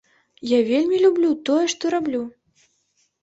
Я вельмі люблю тое, што раблю.